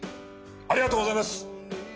ありがとうございます！